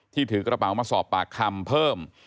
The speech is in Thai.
ถือกระเป๋ามาสอบปากคำเพิ่ม